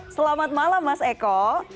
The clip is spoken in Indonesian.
selamat malam mas eko